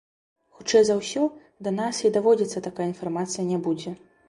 Хутчэй за ўсё, да нас і даводзіцца такая інфармацыя не будзе.